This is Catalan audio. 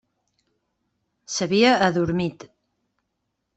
S'havia adormit.